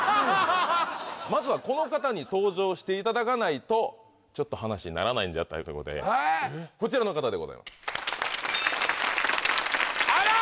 まずはこの方に登場していただかないとちょっと話にならないということでこちらの方でございますあら！